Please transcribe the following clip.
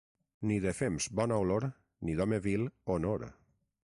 Ni de fems bona olor, ni d'home vil, honor.